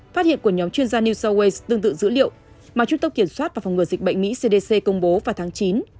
phát hiện của nhóm chuyên gia new south wales tương tự dữ liệu mà trung tâm kiểm soát và phòng ngừa dịch bệnh mỹ cdc công bố vào tháng chín